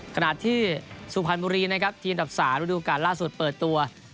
ขณะที่สุพรรณบุรีนะครับทีมดับ๓ฤดูการล่าสุดเปิดตัว